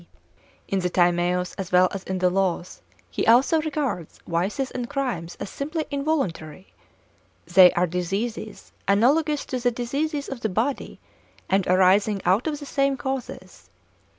In the Timaeus, as well as in the Laws, he also regards vices and crimes as simply involuntary; they are diseases analogous to the diseases of the body, and arising out of the same causes.